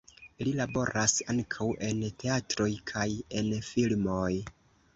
Li laboras ankaŭ en teatroj kaj en filmoj.